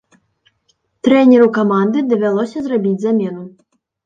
Трэнеру каманды давялося зрабіць замену.